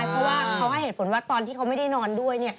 เพราะว่าเขาให้เหตุผลว่าตอนที่เขาไม่ได้นอนด้วย